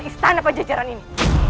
istana penjejaran ini